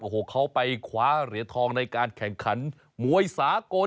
โอ้โหเขาไปคว้าเหรียญทองในการแข่งขันมวยสากล